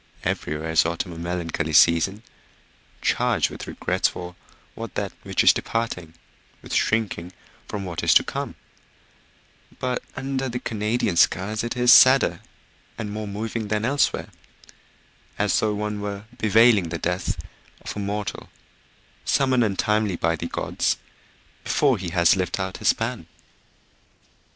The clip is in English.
Everywhere is autumn a melancholy season, charged with regrets for that which is departing, with shrinking from what is to come; but under the Canadian skies it is sadder and more moving than elsewhere, as though one were bewailing the death of a mortal summoned untimely by the gods before he has lived out his span.